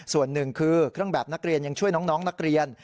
ส่วนหนึ่งคือเครื่องแบบนักเรียนยังช่วยน้องนักเรียน